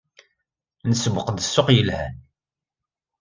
Nsewweq-d ssuq yelhan.